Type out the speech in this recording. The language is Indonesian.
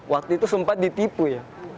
waktu itu sempat ditipu ya